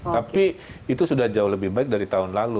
tapi itu sudah jauh lebih baik dari tahun lalu